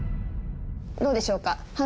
どうでしょうか？